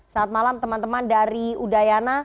saat malam teman teman dari udayana